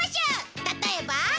例えば。